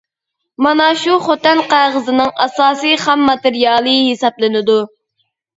مانا شۇ خوتەن قەغىزىنىڭ ئاساسى خام ماتېرىيالى ھېسابلىنىدۇ.